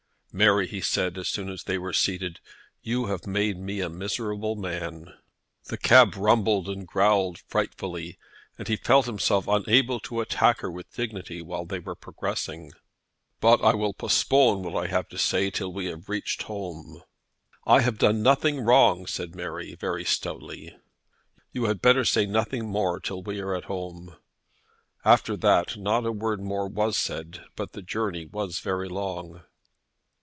"Mary," he said, as soon as they were seated, "you have made me a miserable man." The cab rumbled and growled frightfully, and he felt himself unable to attack her with dignity while they were progressing. "But I will postpone what I have to say till we have reached home." "I have done nothing wrong," said Mary, very stoutly. "You had better say nothing more till we are at home." After that not a word more was said, but the journey was very long.